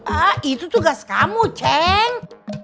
ah itu tugas kamu ceng